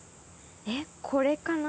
えっこれかな？